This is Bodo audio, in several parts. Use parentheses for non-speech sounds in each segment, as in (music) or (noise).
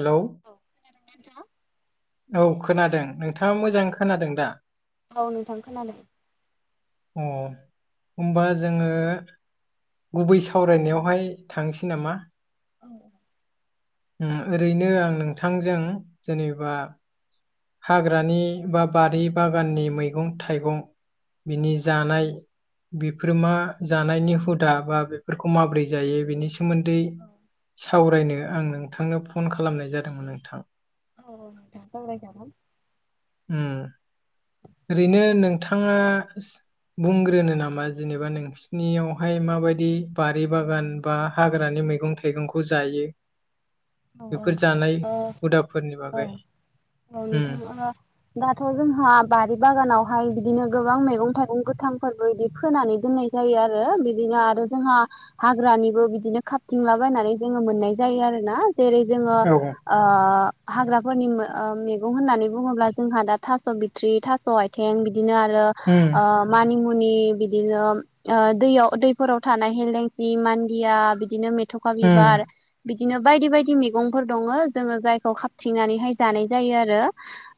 हेलौ औ खोनादों। नोंथाङा मोजां खोनादों दा? अ होनबा जोङो गुबै सावरायनायावहाय थांसै नामा? औ। ओम ओरैनो आं नोंथांजों जेनेबा हाग्रानि बा बारि बागाननि मैगं थाइगं बिनि जानाय बेफोर मा जानायनि हुदा बा बेफोरखौ माबोरै जायो बेनि सो सोमोन्दै सावरायनो आं नोंथांनो फन खालामनाय जादोंमोन नोंथां। औ सावराय जागोन। उम। ओरैनो नोंथाङा बुंग्रोनो नामा जेनेबा नों स्नियावहाय माबायदि बारि बागान बा हाग्रानि मैगं थाइगंखौ जायो। बेफोर जानाय हुदाफोरनि बागै। दाथ' जोंहा बारि बागानावहाय बिदिनो गोबां मैगं थाइगं गोथांफोरबो बिदि फोनानै दोननाय जायो आरो बिदिनो आरो जोंहा हाग्रानिबो बिदिनो खापथिंलाबायनानै जोङो मोननाय जायो आरोना जेरै जोङो औ ओ हाग्राफोरनि ओ मैगं होननानै बुङोब्ला जोंहा दा थास' बिथ्रि थास स आइथें बिदिनो आरो उम। ओ मानि मुनि बिदिनो ओ दैयाव दैफोराव थानाय हेलेंसि मान्दिया बिदिनो मेथ' खा उम बिबार बिदिनो बायदि बायदि दि मेगंफोर दङ जोङो जायखौ खााबथिंनानैहाय जानाय जायो आरो।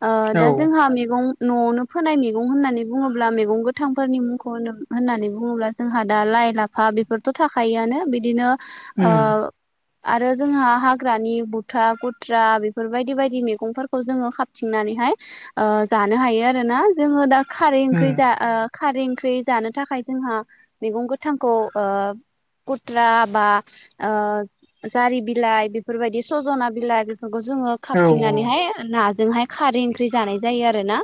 ओ औ दा जोंहा मैगं न'आवनो फोनाय मैगं होननानै बुङोब्ला मैगं गोथांफोरनि मुंखौ होननानै बुङोब्ला जोंहा दा लाइ लाफा बेफोरथ' थाखायोआनो बिदिनो उम ओ आरो जोंहा हा ग्रानि बुथा गुथ्रा बेफोरबायदि बायदि मैगंफोरखौ जोङो खाबथिंनानैहाय ओ जानो हायो आरो ना जोङो दा खारै ओंख्रि उम जा ओ खारै ओंख्रि जानो थाखाय जोंहा मैगं गोथांखौ ओ खुथ्रा बा ओ जारि बिलाइ बि बेफोरबायदि सजना बिलाइ बेफोरखौ जोङो औ औ खाबथिंनानैहाय ना जोंहाय खारै ओंख्रि जानाय जायो आरो ना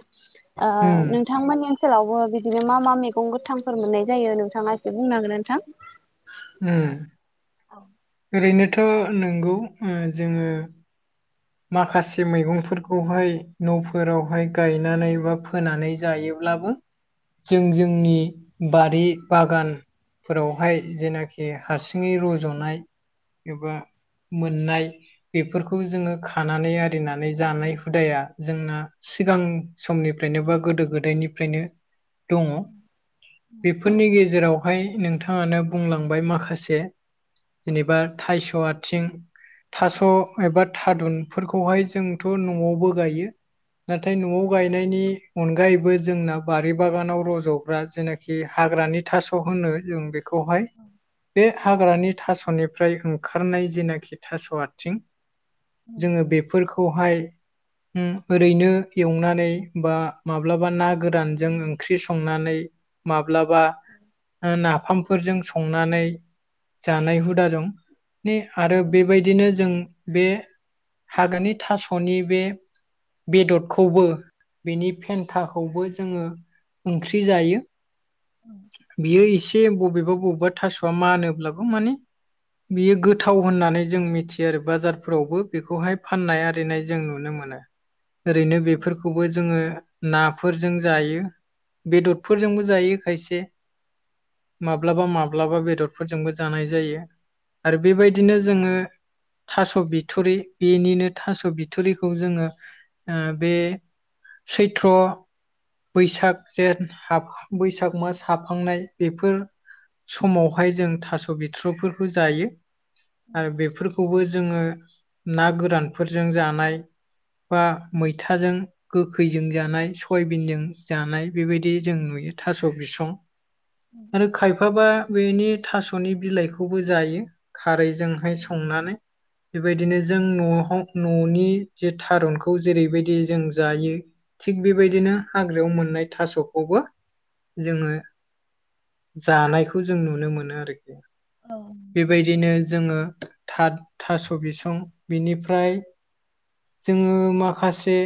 ओ उम नों थांमोननि ओनसोलावबो बिदिनो मा मा मैगं गोथांफोर मोननाय जायो नोंथाङा एसे बुंनो हागोन ना नोंथां? उम। ओरैनोथ' नंगौ ओ जोङो माखासे मैगंफोरखौहाय न'फोरावहाय गायनानै बा फोनानै जायोब्लाबो जों जोंनि बारि बागान फोरावहाय जेनाखि हारसिङै रज'नाय एबा मोननाय बेफोरखौ जोङो खानानै आरिनानै जानाय हुदाया जोंना सिगां समनिफ्रायनो बा गोदो गोदायनिफ्रायनो दङ बेफोरनि गेजेराव हाय नोंथाङानो बुंलांबाय माखासे जेनेबा थायस' आथिं थास' एबा था थारुनफोरखौहाय जोंथ' न'आवबो गायो। नाथाय न'आव गायनायनि अनगायैबो जोंना बारि बागानाव रज'ग्रा जेना खि हाग्रानि थास' होनो जों बे खौहाय बे हाग्रानि थास'निफ्राय ओंखारनाय जेनाखि थास' आथिं जोङो बेफोरखौहाय उम ओरैनो एवनानै बा माब्लाबा ना गोरानजों ओंख्रि संनानै माब्लाबा ओ नाफाम फोरजों संनानै जानाय हुदा दं नि आरो बेबायदिनो जों बे हाग्रानि थास'नि बे बेदरखौबो बेनि फेन्थाखौबो जोङो ओंख्रि जायो। बियो एसे बबेबा बबेबा थास'आ मानोब्लाबो माने बियो गोथाव होननानै जों मिथियो आरो बाजारफोरावबो बेखौहाय फाननाय आरिनाय जों नुनो मोनो ओरैनो बेफोरखौबो जोङो नाफोरजों जायो बेदरफोरजोंबो जायो खायसे। माब्लाबा माब्लाबा बेदर फोरजोंबो जानाय जायो आरो बेबायदिनो जोङो थास' बि थ'रि बेनिनो थास' बिथ'रिखौ जोङो ओ बे सैथ्र' बैसाग जेथ हाब बैसाग मास हाबहांनाय बेफोर समावहाय जों थास' बिथ्र'फोरखौ जायो। आरो बेफोरखौबो जोङो ना गोरानफोरजों जानाय बा मैथाजों गोखैजों जानाय सयाबिनजों जानाय। बेबायदि जों नुयो थास' बिसं आरो खाय फाबा बेनि थास'नि बिलाइखौबो जायो खारैजोंहाय संनानै। बेबायदिनो जों न'आवहा न'नि जे थारुनखौ जेरैबायदि जों जायो थिग बेबायदिनो हाग्रायाव मोननाय थास'खौबो जोङो जानायखौ जों नुनो मोनो आरोखि। औ। बेबायदिनो जोङो थाद थास' बिसं बिनिफ्राय जोङो माखासे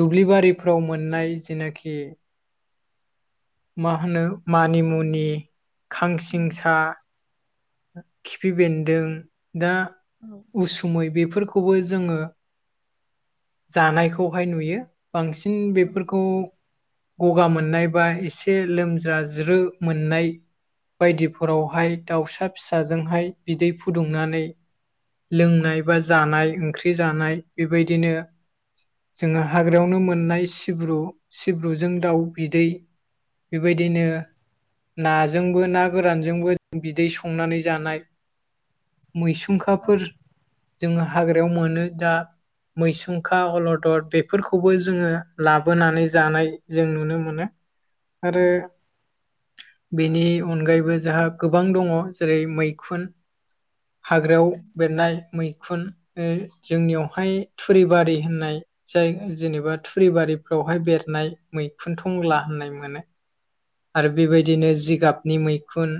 दुब्लिबारिफोराव मोननाय जेनाखि मा होनो मानिमुनि, खांसिंसा खिफि बेन्दों, दा उसुमै बेफोरखौ खौबो जोङो जानायखौहाय नुयो। बांसिन बेफोरखौ गगा मोननाय बा एसे लोमजाज्रो मोननाय बायदिफोरावहाय दाउसा फिसाजोंहाय बिदै फुदुंनानै लोंनाय बा जानाय ओंख्रि जानाय बेबायदिनो जोङो हाग्रायावनो मोननाय सिब्रु सिब्रुजों दाउ बिदै बेबायदिनो नाजोंबो ना गोरानजोंबो बिदै संनानै जानाय। मैसुंखाफोर जोङो हाग्रायाव मोनो दा मैसुंखा, अलदर बेफोरखौबो जोङो लाबोनानै जानाय जों नुनो मोनो। आरो बेनि अनगायैबो जोंहा गोबां दङ' जेरै मैखुन हाग्रायाव मोनाय मैखुन ओ जोंनियावहाय थुरि बारि होननाय जायो जेनेबा थुरिबारिफ्रावहाय बेरनाय मैखुन थंला होननाय मोनो। आरो बेबायदिनो जिगाबनि मैखुन।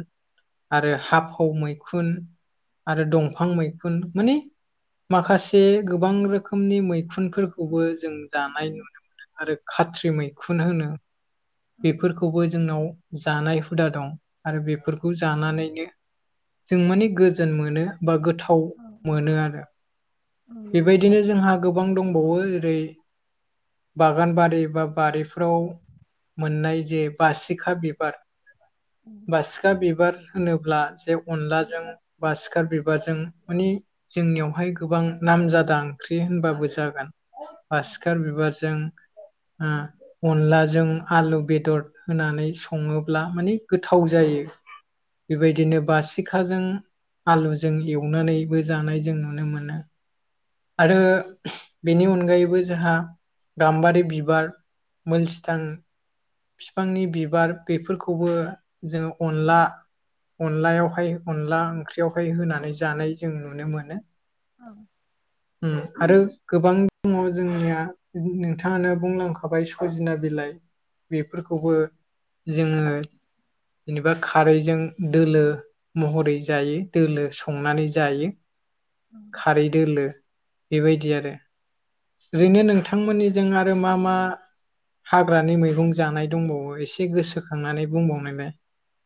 आरो हाफाव मैखुन आरो दंफां मैखुन माने माखासे गोबां रोखोमनि मैखुनफोरखौबो जों जानाय नुनो मोनो। आरो खाथ्रि मैखुन होनो बेफोरखौ खौबो जोंनाव जानाय हुदा दं' आरो बेफोरखौ जानानैनो जों माने गोजोन मोनो बा गोथाव मोनो आरो। बेबायदिनो जोंहा गोबां दंबावो ओरै बागानबारि बा बारिफ्राव मोननाय जे बासिखा बिबार बासिखा सिखा बिबार होनोब्ला जे अनलाजों बासिखार बिबारजों माने जोंनियावहाय गोबां नामजादा ओंख्रि होनबाबो जागोन। बासिखार बिबारजों ओम अनलाजों आलु बेदर। होनानै सङोब्ला मानि गोथाव जायो। बेबायदिनो बासिखाजों आलुजों एवनानैबो जानाय जों नुनो मोनो। आरो बेनि अनगायैबो जोंहा गाम्बारि बिबार मोलसिथां बिफांनि बिबार बेफोरखौबो जों अनला अनलायावहाय अनला ओंख्रियावहाय होनानै जानाय जों नुनो मोनो उम आरो गोबां दङ' जोंनिया नोंथाङानो बुंलांखाबाय सजना बिलाइ। बेफोरखौबो जोङो जेनेबा खारैजों दोलो महरै जायो दोलो। संनानै जायो खारै दोलो बेबायदि आरो। ओरैनो नोंथांमोननिजों आरो मा मा हाग्रानि मैगं जानाय दंबावो एसे गोसोखांनानै बुंबावनायलाय?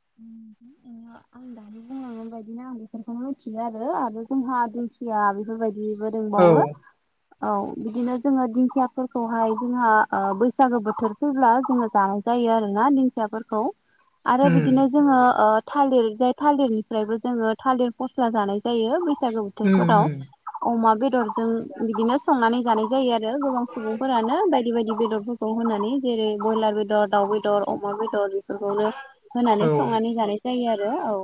(unintelligible) आं दानि बुं बायदिनो आं बेफोरखौनो मिथियो आरो जोंहा दिंखिया बेफोरबायदि जिबो औ रोंबावो औ बिदिनो जोङो दिंखियाफोरखौहाय जोंहा ओ बैसागो बोथोर फैब्ला जोङो जानाय जायो आरोना दिंखियाफोरखौ आरो उम बिदि नो जोङो ओ थालिर जाय थालिरनिफ्रायबो जोङो थालिर फस्ला जानाय जायो। बैसागो उम बोथोरफोराव उम अमा बेदरजों बिदिनो संनानै जानाय जायो आरो। आरो गोबां सुबुंफोरानो बायदि बायदि बेदरफोरखौ होनानै जेरै बयलार बेदर दाउ बेदर अ मा बेदर बेफोरखौनो औ होनानै संनानै जानाय जायो आरो औ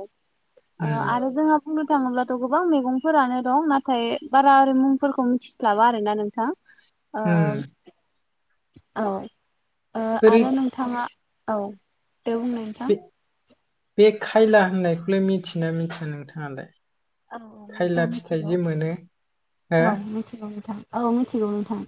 उम ओ आरो जोंहा बुंनो थाङोब्लाथ' गोबां मैगंफोरानो दं नाथाय बारा आरै मुंफोरखौ मिथि स्लाबा आरोना नोंथां। ओम उम ओ ओ ओरै आरो नों थाङा ओव बे मोन बे बे खायला होननायखौलाय मिथियौना मिथिया नोंथाङालाय? ओ ओव खायला नोंथां फिथाइ मिथिगौ जे मोनो हो औ मिथिगौ नोंथां औ मिथिगौ नोंथां।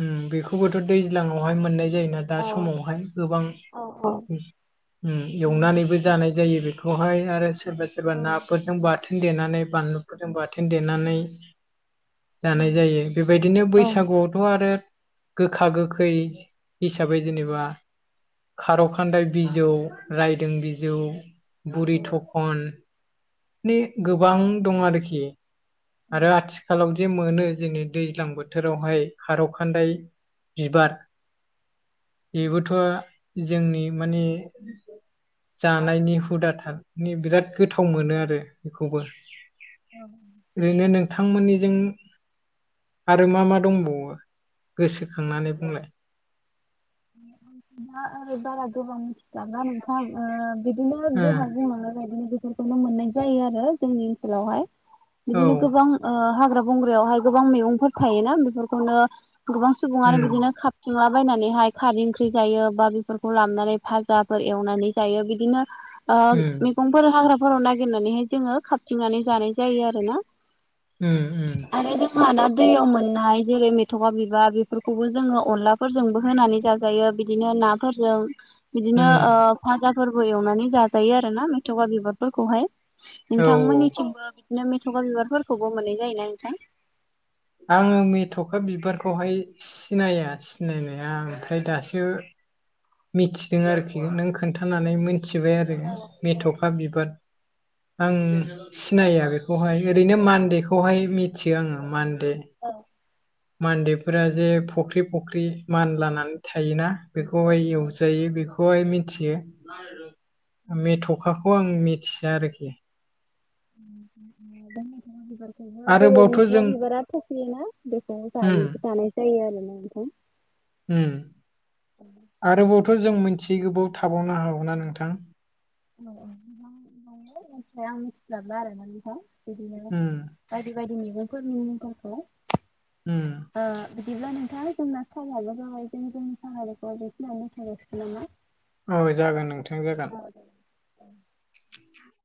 उम बेखौबोथ' दैज्लाङावहाय मोननाय जायोना दा औ समावहाय गोबां औ औ उम एवनानैबो जानाय जायो बेखौहाय आरो सोरबा सोरबा नाफोरजों बाथो थोन देनानै बानलुफोरजों बाथोन देनानै जानाय जायो। बेबायदिनो बैसागुआव थ' आरो गोखा गोखै हिसाबै जेनेबा खार' खान्दाय बिजौ राइदों बिजौ बुरि थखन बे गोबां दं आरोखि। आरो आथिखालाव जे मोनो जोंनि दैज्लां बोथोरावहाय खार' खान्दाय बिबार बेबोथ' जोंनि माने जानायनि हुदा थागनि बिराद गोथाव मोनो आरो बेखौबो। अव ओरैनो नोंथांमोननिजों आरो मा मा दंबावो? गोसोखांनानै बुंलाय। (unintelligible) माबा नोंथाम बिदिनो दहाय ओ बुंलांनाय बादिनो बिदिनो मोननाय जायो आरो जोंनि ओनसालावहाय। औ बिदिनो गोबां ओ हाग्रा बंग्रायावहाय गोबां मैगंफोर थायोना बेफोरखौनो गोबां उम सुबुंआनो बिदिनो खा बुथुमला बायनानैहाय खारै ओंख्रि जायो बा बेफोरखौ लाबोनानै फाजाफोर एवनानै जायो बिदिनो ओ उम मैगंफोर हाग्राफोराव नागिरनाननैहाय जोङो खाबथिंनानै जानाय जायो आरो ना। उम उम आरो जोंहा दा दैयाव मोननाय जेरै मेथगा बिबार बे फोरखौबो जोङो अनलाफोरजोंबो होनानै जाजायो बिदिनो ना फोरजों बिदिनो ओ उम फाजाफोरबो एवनानै जाजायो आरोना मेथखा बिबार फोरखौहाय। औ नोंथांमोनिथिं बिदिनो मेथ'गा बिबारफोरखौबो मोननाय जायोना नोंथां? आं मेथ'खा बिबारखौहाय सिनाया सिनायनाया ओमफ्राय दासो मिथिदों आरोखि नों खोन्थानानै मिनथिबाय आरो मेथखा बिबाद आं सिनाया बेखौहाय ओरैनो मानदेखौहाय मिथियो आङो मानदे ओव मान्देफोरा जे फख्रि फख्रि मानलानानै थायोना बेखौहाय एवजायो बेखौहाय मिथियो। मेथ'खा खौ आं मिथिया आरोखि। (unintelligible) ओ जेरै आरोबावथ' मेथ'खा जों बिबारा थफियोना बेखौ उम जायो जानाय जायो आरो ना नोंथां। उम आरोबावथ' जों मिनथियि गोबाव थाबावनो हागौना नोंथां? (unintelligible) बायदि उम बायदि मैगंफोरनि मुंफोरखौ। उम ओ बिदिब्ला नोंथां जोंना सामाबो जाबाय। जों जोंनि सावरायनायखौ बे खिनियावनो दोनथ' नांसिगोन नामा? औ जागोन नोंथां जागोन। (inaudible)